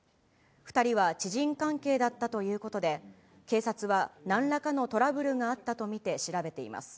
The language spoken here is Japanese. ２人は知人関係だったということで、警察はなんらかのトラブルがあったと見て調べています。